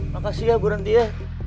makasih ya berhenti ya